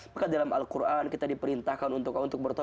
maka dalam al quran kita diperintahkan bahwa allah swt berkata